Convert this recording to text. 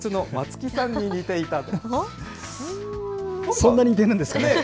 そんなに似てるんですかね。